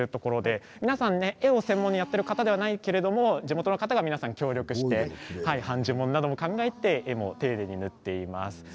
皆さん、絵を専門にやっている方ではないんですけど地元の方が協力して判じもんなども考えて絵も丁寧に塗っています。